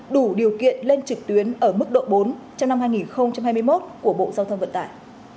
đủ điều kiện lên trực tuyến ở mức độ bốn trong năm hai nghìn hai mươi một của bộ giao thông vận tải